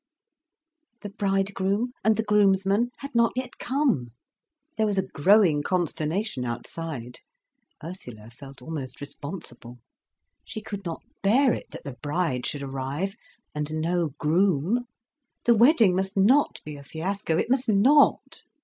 The bridegroom and the groom's man had not yet come. There was a growing consternation outside. Ursula felt almost responsible. She could not bear it that the bride should arrive, and no groom. The wedding must not be a fiasco, it must not.